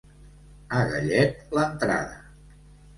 A gallet l'entrada.